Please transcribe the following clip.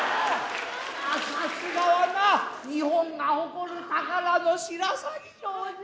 さすがはな日本が誇る宝の白鷺城じゃ。